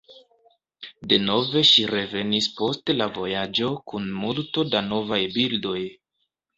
Denove ŝi revenis post la vojaĝo kun multo da novaj bildoj.